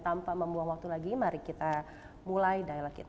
dan tanpa membuang waktu lagi mari kita mulai dialog kita